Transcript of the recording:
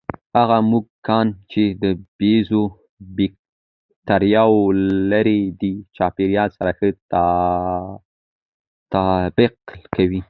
هغه موږکان چې د بیزو بکتریاوې لري، د چاپېریال سره ښه تطابق کوي.